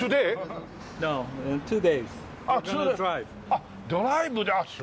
あっドライブで。